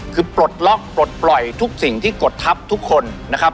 คือปลดล็อกปลดปล่อยทุกสิ่งที่กดทัพทุกคนนะครับ